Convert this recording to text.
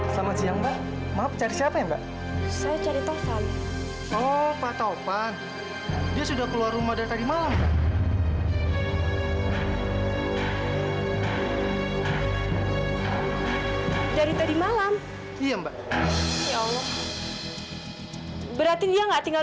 sampai jumpa di video selanjutnya